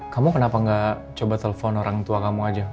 kamu kenapa gak coba telepon orang tua kamu aja